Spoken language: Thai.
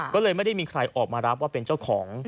ก็เลยไม่ได้มีใครออกมารับว่าเป็นเจ้าของ